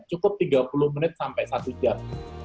cukup tiga puluh menit sampai satu jam